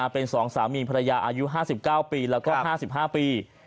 เป็น๒สามีภรรยาอายุ๕๙ปีแล้วก็๕๕ปี